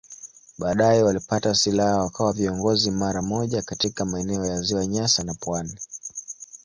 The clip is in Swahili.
Baadaye walipata silaha wakawa viongozi mara moja katika maeneo ya Ziwa Nyasa na pwani.